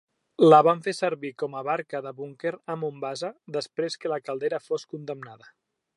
La van fer servir com a barca de búnquer a Mombasa després que la caldera fos condemnada.